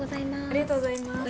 ありがとうございます。